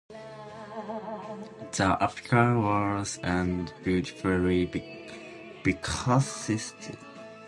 The apical whorls are beautifully decussate.